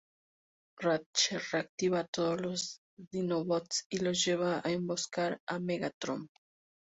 Ratchet reactiva a todos los Dinobots y los lleva a emboscar a Megatron.